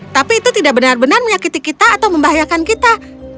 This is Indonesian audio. tapi itu tidak benar benar menyakiti kita atau membahayakan kita